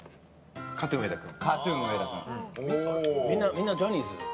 みんなジャニーズ。